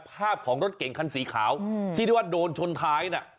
ภาพของรถเก่งคันสีขาวที่เรียกว่าโดนชนท้ายน่ะ